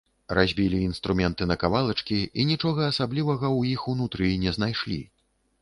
Разбілі інструменты на кавалачкі і нічога асаблівага ў іх унутры не знайшлі.